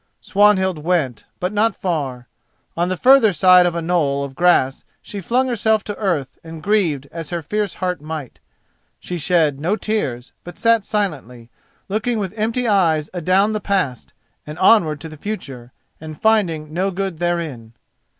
Swanhild went, but not far. On the further side of a knoll of grass she flung herself to earth and grieved as her fierce heart might. She shed no tears, but sat silently, looking with empty eyes adown the past, and onward to the future, and finding no good therein.